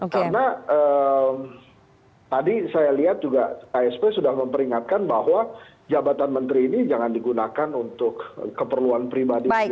karena tadi saya lihat juga asp sudah memperingatkan bahwa jabatan menteri ini jangan digunakan untuk keperluan pribadi